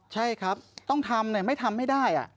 ใช่ครับต้องทำไม่ทำให้ได้